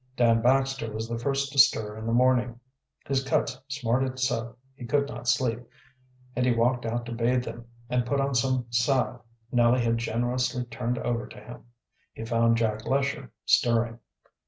Dan Baxter was the first to stir in the morning. His cuts smarted so he could not sleep, and he walked out to bathe them and put on some salve Nellie had generously turned over to him. He found Jack Lesher stirring.